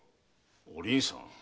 お凛さん。